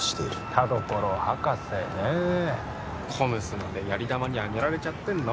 田所博士ねえＣＯＭＳまでやり玉に挙げられちゃってんの？